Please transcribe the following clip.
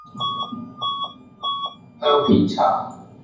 香片茶